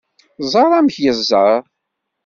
Ẓer amek yezzer!